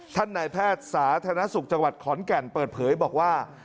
นายแพทย์สาธารณสุขจังหวัดขอนแก่นเปิดเผยบอกว่า